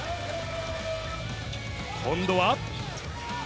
今度は。